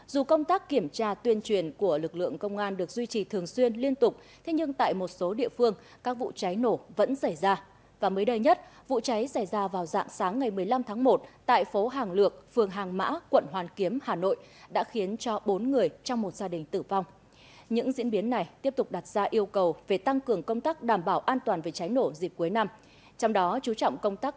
dù công tác kiểm tra tình hình cháy nổ cuối năm vẫn có diễn biến hết sức phức tạp